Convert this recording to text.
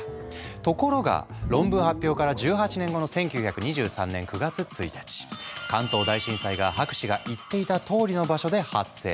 ところが論文発表から１８年後の１９２３年９月１日関東大震災が博士が言っていたとおりの場所で発生。